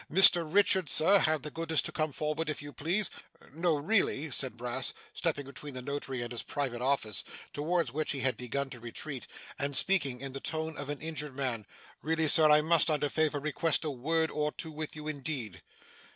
Mr Richard, sir, have the goodness to come foward if you please No really,' said Brass, stepping between the notary and his private office (towards which he had begun to retreat), and speaking in the tone of an injured man, 'really Sir, I must, under favour, request a word or two with you, indeed.